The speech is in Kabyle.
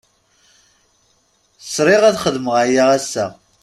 Sriɣ ad xedmeɣ aya ass-a.